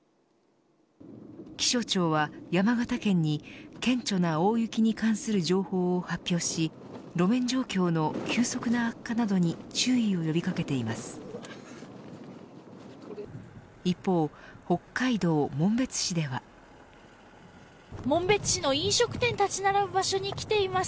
気象庁は山形県に堅調な大雪に関する情報を発表し路面状況の急速な悪化などに注意を呼び掛けています。